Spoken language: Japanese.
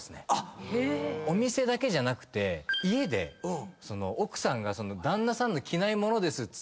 お店だけじゃなくて家で奥さんが「旦那さんの着ないものです。」